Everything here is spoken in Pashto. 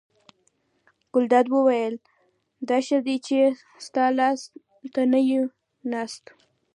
ګلداد وویل: دا ښه دی چې ستا لاس ته نه یو ناست.